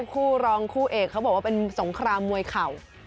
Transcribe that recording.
คู่รองคู่เอกเขาบอกว่าเป็นสงครามมวยเข่า